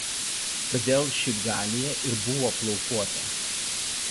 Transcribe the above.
Todėl ši Galija ir buvo „plaukuota“.